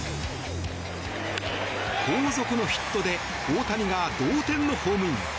後続のヒットで大谷が同点のホームイン。